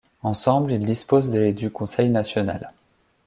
Ensemble, ils disposent des du Conseil national.